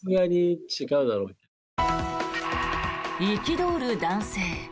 憤る男性。